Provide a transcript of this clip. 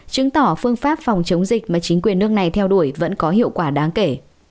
chứng tỏ phương pháp phòng chống dịch mà chính quyền nước này theo đuổi vẫn có hiệu quả đáng kể